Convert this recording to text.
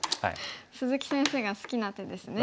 鈴木先生が好きな手ですね。